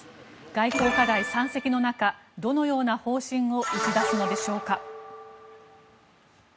外交課題山積の中どのような方針を打ち出すのでしょうか。